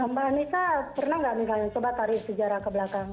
mbak anissa pernah nggak misalnya coba tarik sejarah ke belakang